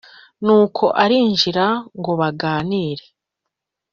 Nuko arinjira ngobaganire